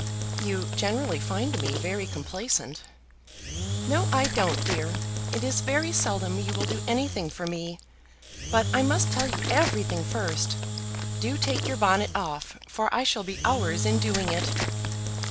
"You generally find me very complaisant." "No I don't, dear. It is very seldom you will do anything for me. But I must tell you everything first. Do take your bonnet off, for I shall be hours in doing it."